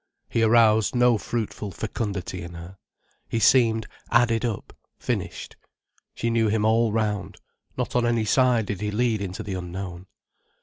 He aroused no fruitful fecundity in her. He seemed added up, finished. She knew him all round, not on any side did he lead into the unknown.